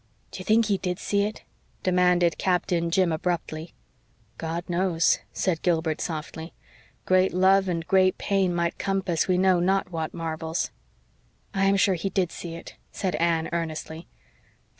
"Do you think he did see it?" demanded Captain Jim abruptly. "God knows," said Gilbert softly. "Great love and great pain might compass we know not what marvels." "I am sure he did see it," said Anne earnestly.